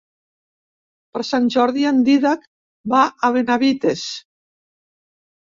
Per Sant Jordi en Dídac va a Benavites.